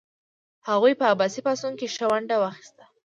هغوی په عباسي پاڅون کې ښه ونډه واخیسته.